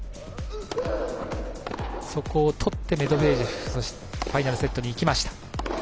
そこを取ってメドベージェフファイナルセットにいきました。